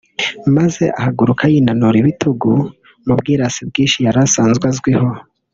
maze ahaguruka yinanura ibitugu mu bwirasi bwinshi yari asanzwe azwiho